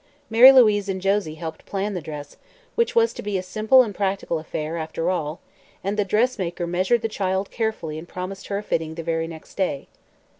Mary Louise and Josie helped plan the dress, which was to be a simple and practical affair, after all, and the dressmaker measured the child carefully and promised her a fitting the very next day.